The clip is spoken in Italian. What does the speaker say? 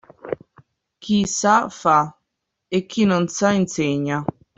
Chi sa fa e chi non sa insegna.